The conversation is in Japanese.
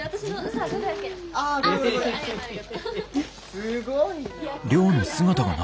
すごいな。